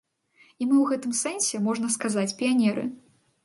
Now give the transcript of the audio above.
І мы ў гэтым сэнсе, можна сказаць, піянеры.